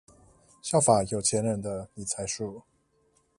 效法有錢人的理財術